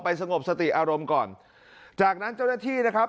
สงบสติอารมณ์ก่อนจากนั้นเจ้าหน้าที่นะครับ